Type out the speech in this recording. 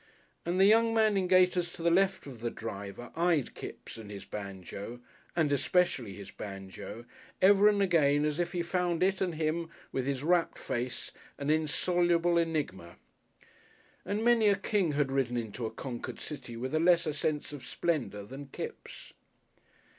And the young man in gaiters to the left of the driver eyed Kipps and his banjo, and especially his banjo, ever and again as if he found it and him, with his rapt face, an insoluble enigma. And many a King has ridden into a conquered city with a lesser sense of splendour than Kipps.